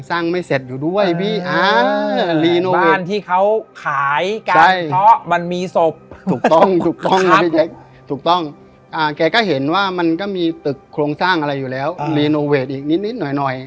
เรเนิวเวธอีกนิดหน่อย